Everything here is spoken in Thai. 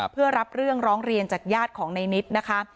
เพื่อรับเรื่องร้องเรียนจากญาติของในนิดนะคะ